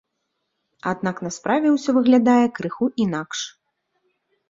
Аднак на справе ўсё выглядае крыху інакш.